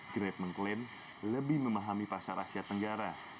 grab mengklaim lebih memahami pasar asia tenggara